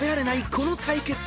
この対決］